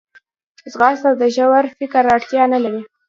ځغاسته د ژور فکر اړتیا نه لري